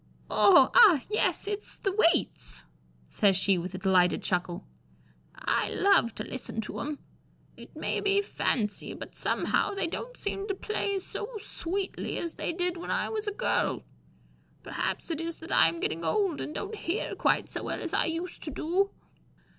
"Oh, ah! yes, it's the waits," says she, with a delighted chuckle; "I love to listen to 'em. It may be fancy, but somehow they don't seem to play so sweetly as they did when I was a girl. Perhaps it is that I am getting old, and don't hear quite so well as I used to do."